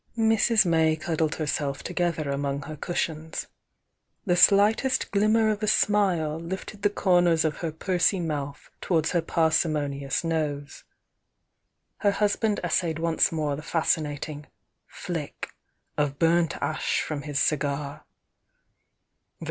Mrs. May cuddled herself together among her cushions. The slightest glimmer of a smile lifted the comers of her pursy mouth towards her parsimoni ous nose. Her husband essayed once more the fas cinating "flick" of burnt ash from his cigar.